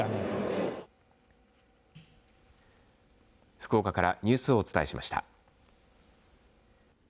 福岡からニュースをお伝えしました。